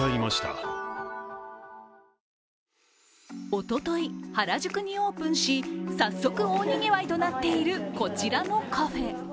おととい、原宿にオープンし早速、大にぎわいとなっているこちらのカフェ。